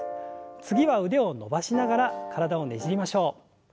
次は腕を伸ばしながら体をねじりましょう。